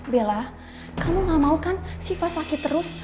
bella kamu gak mau kan siva sakit terus